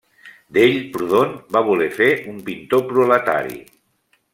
D'ell, Proudhon, va voler fer un pintor proletari.